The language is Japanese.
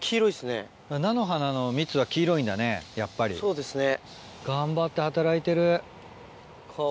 そうですね。